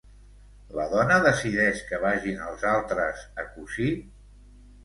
La dona decideix que vagin els altres a cosir?